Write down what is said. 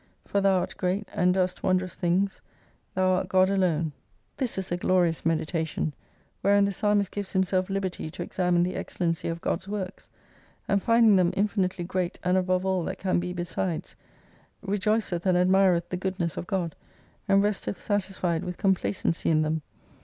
For Thou art great, and doest wondrous things. Thou art God alone. This is a glorious meditation, wherein the psalmist gives himself liberty to examine the excellency of God's works, and finding them infinitely great and above all that can be besides, rejoiceth and admireth the goodness of God, and resteth satisfied with complacency in them.